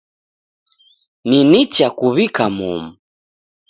Ni nicha kuw'ika momu.